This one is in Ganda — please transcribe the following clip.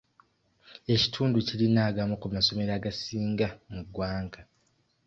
Ekitundu kirina agamu ku masomero agasinga mu ggwanga.